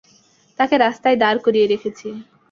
তাকে রাস্তায় দাঁড় করিয়ে রেখেছি।